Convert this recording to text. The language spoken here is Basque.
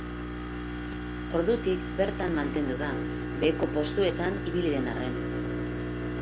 Ordutik bertan mantendu da, beheko postuetan ibili den arren.